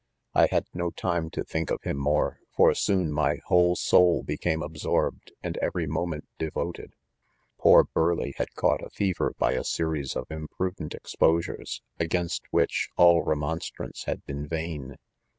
:£ 'I had no time to think of him more, for soon mf whole soul became absorbed, and every moment devoted. Poor Burleigh had caught a fever by a series of imprudent exposures, against which, all remonstrance had been vain.